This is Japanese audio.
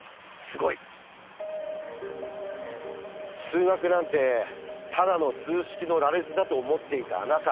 数学なんてただの数式の羅列だと思っていたあなた。